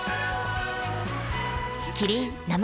キリン「生茶」